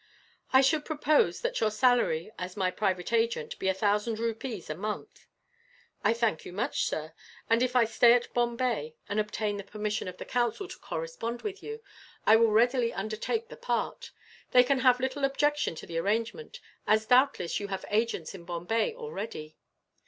"I should propose that your salary, as my private agent, be a thousand rupees a month." "I thank you much, sir; and if I stay at Bombay, and obtain the permission of the Council to correspond with you, I will readily undertake the part. They can have little objection to the arrangement, as doubtless you have agents in Bombay, already."